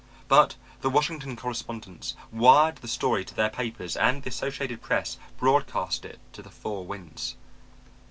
But the Washington correspondents wired the story to their papers and the Associated Press broadcast it to the four winds.